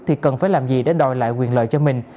thì cần phải làm gì để đòi lại quyền lợi cho mình